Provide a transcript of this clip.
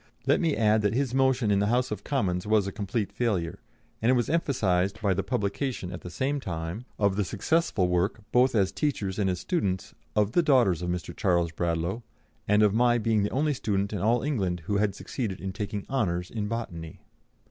Let me add that his motion in the House of Commons was a complete failure, and it was emphasised by the publication at the same time of the successful work, both as teachers and as students, of the "daughters of Mr. Charles Bradlaugh," and of my being the only student in all England who had succeeded in taking honours in botany.